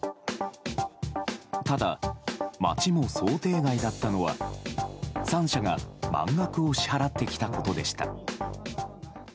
ただ、町も想定外だったのは３社が満額を支払ってきたことでした。